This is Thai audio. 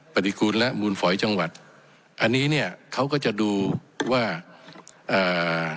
ปฏิกูลและมูลฝอยจังหวัดอันนี้เนี้ยเขาก็จะดูว่าอ่า